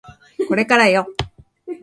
これからよ